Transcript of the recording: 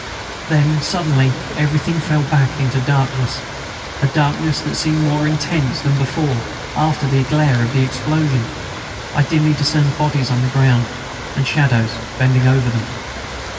Then, suddenly, everything fell back into darkness, a darkness that seemed more intense than before after the glare of the explosion. I dimly discerned bodies on the ground, and shadows bending over them.